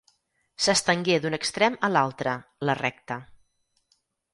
S'estengué d'un extrem a l'altre, la recta.